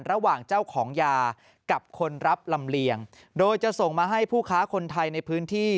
ระหว่างเจ้าของยากับคนรับลำเลียงโดยจะส่งมาให้ผู้ค้าคนไทยในพื้นที่